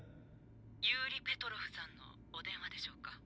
ユーリ・ペトロフさんのお電話でしょうか？